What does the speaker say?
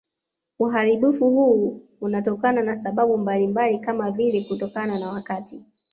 Uharibifu huu unatokana na sababu mbalimbali kama vile kutokana na wakati